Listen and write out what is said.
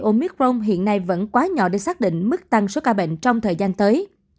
số ca nhiễm omicron hiện nay vẫn quá nhỏ để xác định mức tăng số ca bệnh trong thời gian tới